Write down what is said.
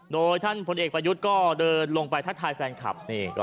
โดยท่านพลเอกประยุทธ์ก็เดินลงไปทักทายแฟนคลับ